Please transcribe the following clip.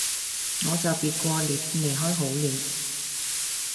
我就別過臉離開好了